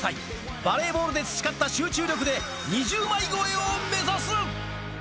バレーボールで培った集中力で２０枚超えを目指す。